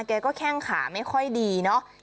แกก็แข้งขาไม่ค่อยดีเนาะ